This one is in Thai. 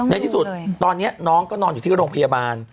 ในที่สุดตอนนี้น้องก็นอนอยู่ที่โรงพยาบาล